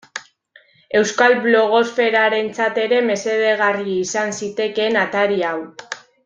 Euskal blogosferarentzat ere mesedegarri izan zitekeen atari hau.